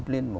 sẽ thiết lập